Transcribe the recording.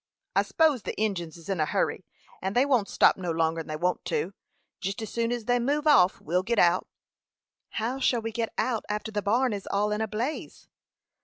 "I s'pose the Injins is in a hurry, and they won't stop no longer'n they want to. Jest as soon as they move off we'll git out." "How shall we get out after the barn is all in a blaze?"